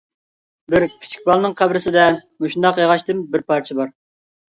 بىر كىچىك بالىنىڭ قەبرىسىدە مۇشۇنداق ياغاچتىن بىر پارچە بار.